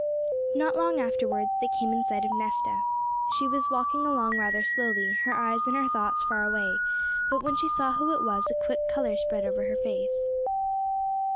Not long afterwards they came in sight of Nesta. She was walking along rather slowly, her eyes and her thoughts far away; but when she saw who it was, a quick colour spread over her face.